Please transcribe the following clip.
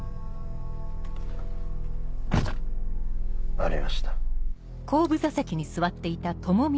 ありました。